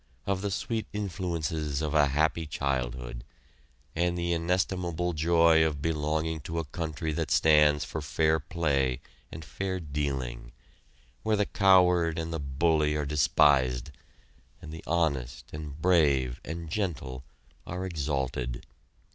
of the sweet influences of a happy childhood, and the inestimable joy of belonging to a country that stands for fair play and fair dealing, where the coward and the bully are despised, and the honest and brave and gentle are exalted.